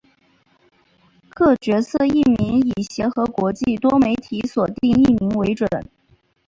各角色译名以协和国际多媒体所定译名为准。